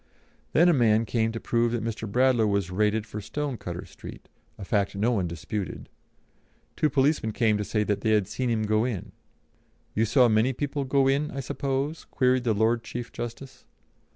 Then a man came to prove that Mr. Bradlaugh was rated for Stonecutter Street, a fact no one disputed. Two policemen came to say they had seen him go in. "You saw many people go in, I suppose?" queried the Lord Chief Justice.